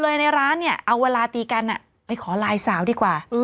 ในร้านเนี่ยเอาเวลาตีกันไปขอไลน์สาวดีกว่า